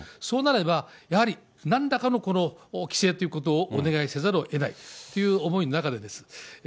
そうなれば、やはりなんらかの規制ということをお願いせざるをえないという思いの中でです。